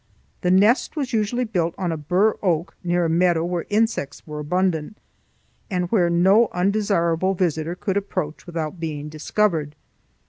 The nest was usually built on a bur oak near a meadow where insects were abundant, and where no undesirable visitor could approach without being discovered.